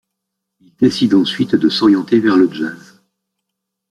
Il décide ensuite de s'orienter vers le jazz.